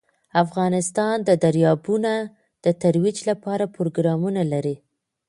افغانستان د دریابونه د ترویج لپاره پروګرامونه لري.